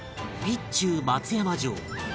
備中松山城